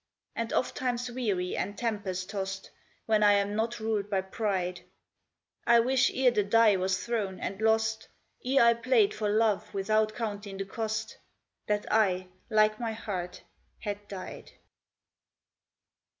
And ofttimes weary and tempest tossed, When I am not ruled by pride, I wish ere the die was throne and lost, Ere I played for love without counting the cost, That I, like my heart, had died.